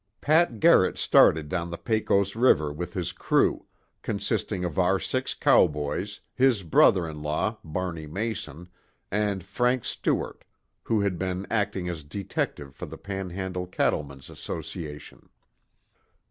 Pat Garrett started down the Pecos river with his crew, consisting of our six cowboys, his brother in law, Barney Mason, and Frank Stewart, who had been acting as detective for the Panhandle cattlemen's association.